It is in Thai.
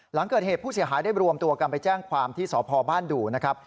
หลังเกิดเหตุผู้เสียหายได้รวมตัวกันไปแจ้งความที่สพบ้านดูนะครับ